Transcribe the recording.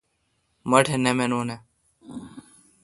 مہ ٹھ نہ منون اہ؟